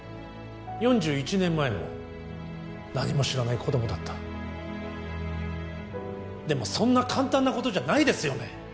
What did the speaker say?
４１年前も何も知らない子供だったでもそんな簡単なことじゃないですよね